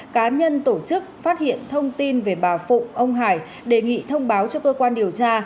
cá nhân tổ chức phát hiện thông tin về bà phụng ông hải đề nghị thông báo cho cơ quan điều tra